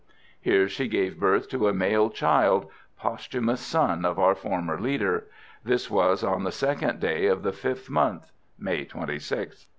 Here she gave birth to a male child, posthumous son of our former leader; this was on the second day of the fifth month" (May 26th).